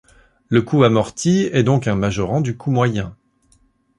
Le coût amorti est donc un majorant du coût moyen.